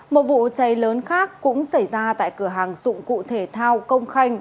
một vụ cháy lớn khác cũng xảy ra tại cửa hàng dụng cụ thể thao công khanh